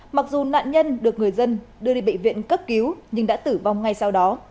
mặc dù nạn nhân được người dân đưa đi bệnh viện cấp cứu nhưng đã tử vong ngay sau đó